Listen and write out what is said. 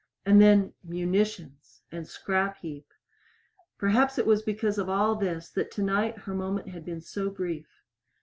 And then "munitions" and "scrap heap." Perhaps it was because of all this that tonight her moment had been so brief.